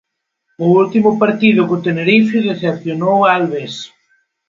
O último partido co Tenerife decepcionou a Albés.